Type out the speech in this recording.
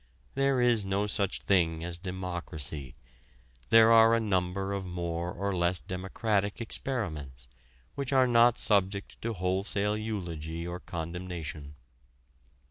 There is no such thing as Democracy; there are a number of more or less democratic experiments which are not subject to wholesale eulogy or condemnation.